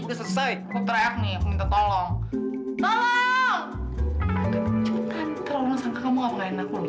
selesai putri aku minta tolong tolong jantung sangka kamu ngapain aku tolong